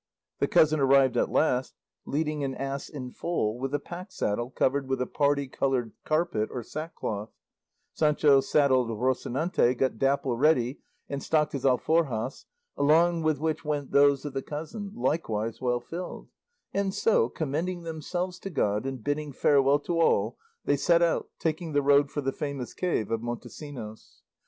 The cousin arrived at last, leading an ass in foal, with a pack saddle covered with a parti coloured carpet or sackcloth; Sancho saddled Rocinante, got Dapple ready, and stocked his alforjas, along with which went those of the cousin, likewise well filled; and so, commending themselves to God and bidding farewell to all, they set out, taking the road for the famous cave of Montesinos.